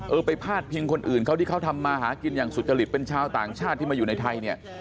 เออไปพาดพิงคนอื่นเขาที่เขาทำมาหากินอย่างสุจริตเป็นชาวต่างชาติที่มาอยู่ในไทยเนี่ย